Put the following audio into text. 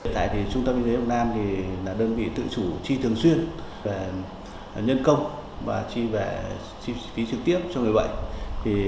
trung tâm y tế lục nam là đơn vị tự chủ chi thường xuyên nhân công và chi phí trực tiếp cho người bệnh